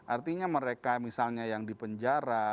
artinya mereka misalnya yang di penjara